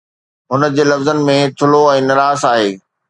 هن جي لفظن ۾ ٿلهو ۽ نراس آهي.